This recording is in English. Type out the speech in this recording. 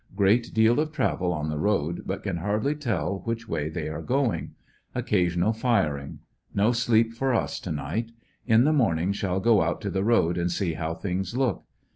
Great deal of travel on the road, but can hardly tell v,iiich way they are going. Occasional fir ing. No sleep for us to night. In the morning shall go out to the road and see how things look.